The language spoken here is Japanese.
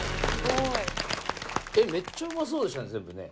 めっちゃうまそうでしたね全部ね。